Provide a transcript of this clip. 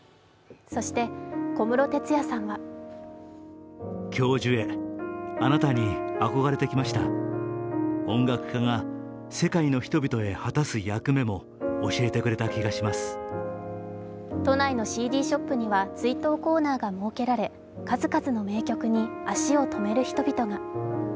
そして、小室哲哉さんは都内のＣＤショップには追悼コーナーが設けられ数々の名曲に足を止める人々が。